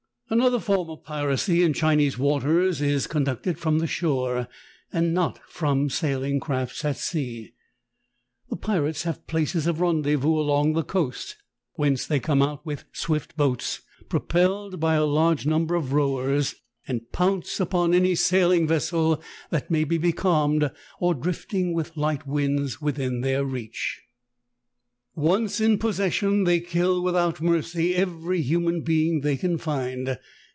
Another form of piracy in Chinese waters is con ducted from the shore and not from sailing crafts at sea. The pirates have places of rendezvous along the coast, whence they come out with swift boats propelled by a large number of rowers and BESET BY CHINESE PIRATES. 79 pounce upon any sailing vessel that may be becalmed or drifting with light winds within their reach. Once in possession they kill without mercy every human being they can find.